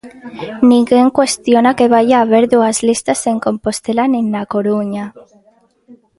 Ninguén cuestiona que vaia a haber dúas listas en Compostela nin na Coruña.